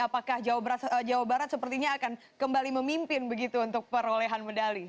apakah jawa barat sepertinya akan kembali memimpin begitu untuk perolehan medali